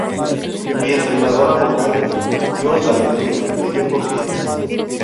Mi entrenadora vocal, Dios la bendiga, me dio confianza.